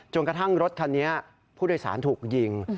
กระทั่งรถคันนี้ผู้โดยสารถูกยิง